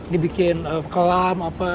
dibikin kelam apa